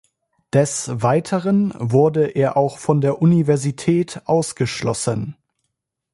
Des Weiteren wurde er auch von der Universität ausgeschlossen.